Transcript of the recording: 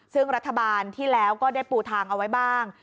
ซึ่งรัฐบาลที่แล้วก็ได้ปูทางเอาไว้บ้าง